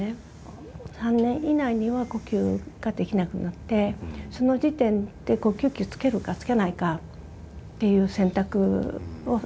３年以内には呼吸ができなくなってその時点で呼吸器をつけるかつけないかっていう選択を。